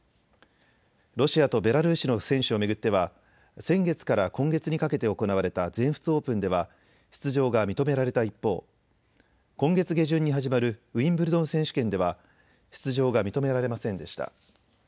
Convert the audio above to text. ロシアとベラルーシの選手を巡っては先月から今月にかけて行われた全仏オープンでは出場が認められた一方、今月下旬に始まるウィンブルドン選手権では出場が認められませんでした。